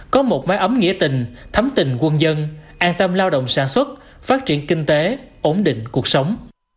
có một máy ấm nghĩa tình thấm tình quân dân an tâm lao động sản xuất phát triển kinh tế ổn định cuộc sống